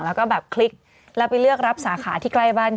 แล้วก็แบบคลิกแล้วไปเลือกรับสาขาที่ใกล้บ้าน